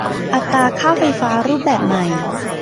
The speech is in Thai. อัตราค่าไฟฟ้ารูปแบบใหม่